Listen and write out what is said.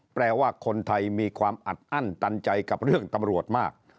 แปลว่าคนไทยมีความอัดอั้นตันใจกับเรื่องตำรวจมาก